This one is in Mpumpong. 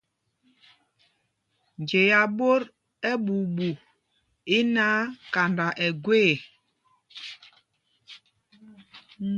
Njea ɓot ɛɓuuɓu í náǎ, kanda ɛ́ gwee ê.